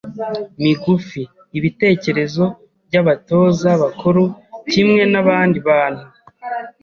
migufi , ibitekerezo by’abatoza bakuru kimwe n’abandi bantu